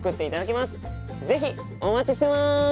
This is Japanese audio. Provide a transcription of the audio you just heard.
是非お待ちしてます。